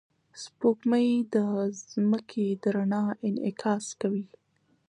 سپوږمۍ د ځمکې د رڼا انعکاس کوي